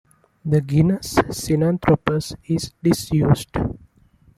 The genus "Sinanthropus" is disused.